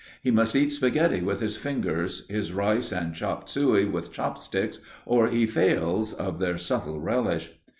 He must eat spaghetti with his fingers, his rice and chopped suey with chop sticks, or he fails of their subtle relish.